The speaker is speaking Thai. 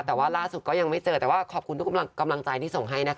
แต่ว่าล่าสุดก็ยังไม่เจอแต่ว่าขอบคุณทุกกำลังใจที่ส่งให้นะคะ